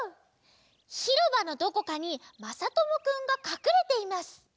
ひろばのどこかにまさともくんがかくれています。